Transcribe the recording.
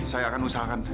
saya akan usahakan